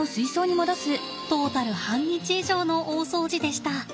トータル半日以上の大掃除でした。